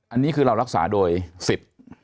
อันนี้คือเรารักษาโดยสิทธิ์